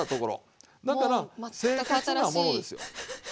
だから清潔なものですよ。